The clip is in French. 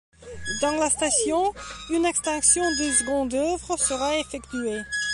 Dans la station, une extension du second oeuvre sera effectuée.